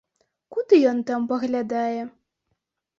Куды ён там паглядае?